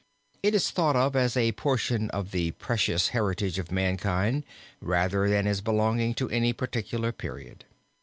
It is thought of as a portion of the precious heritage of mankind rather than as belonging to any particular period.